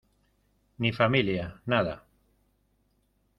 ni familia, nada.